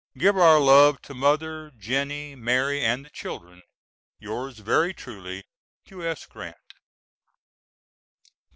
Give our love to Mother, Jennie, Mary and the children. Yours very truly, U.S. GRANT.